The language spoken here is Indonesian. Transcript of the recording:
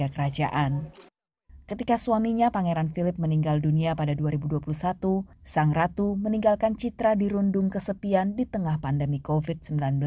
ketika suaminya pangeran philip meninggal dunia pada dua ribu dua puluh satu sang ratu meninggalkan citra dirundung kesepian di tengah pandemi covid sembilan belas